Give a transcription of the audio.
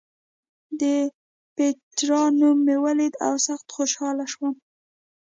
د پېټرا نوم مې ولید او سخت خوشاله شوم.